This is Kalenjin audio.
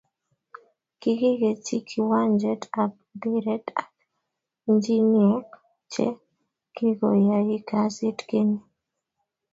Kikikechi kiwanjet ab mpiret ak injiniek che kikoyai kasit keny